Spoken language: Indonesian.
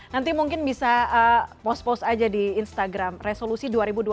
nanti mungkin bisa post post aja di instagram resolusi dua ribu dua puluh dua